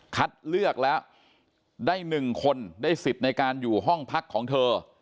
คัดเลือกแล้วได้๑คนได้สิทธิ์ในการอยู่ห้องพักของเธอ